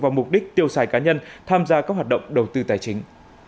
vào mục đích tiêu xài cá nhân tham gia các hoạt động đầu tư tài chính